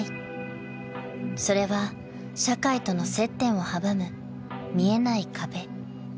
［それは社会との接点を阻む見えない壁］